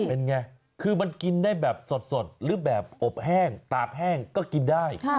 เป็นไงคือมันกินได้แบบสดหรือแบบอบแห้งตากแห้งก็กินได้